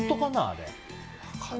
あれ。